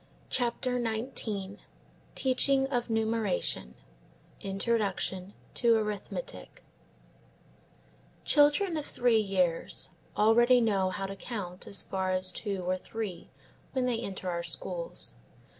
CHAPTER XIX TEACHING OF NUMERATION; INTRODUCTION TO ARITHMETIC CHILDREN of three years already know how to count as far as two or three when they enter our schools.